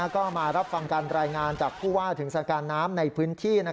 ก็มารับฟังการรายงานจากผู้ว่าถึงสถานการณ์น้ำในพื้นที่